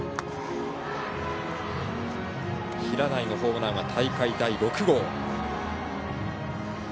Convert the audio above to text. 平内のホームランは大会第６号。